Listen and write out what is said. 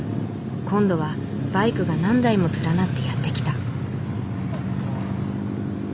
今度はバイクが何台も連なってやって来た。